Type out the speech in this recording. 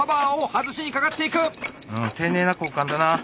丁寧な交換だな。